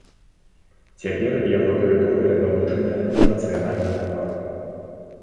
Цяпер яго тэрыторыя далучаная да нацыянальнага парку.